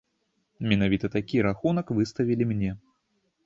Менавіта такі рахунак выставілі мне.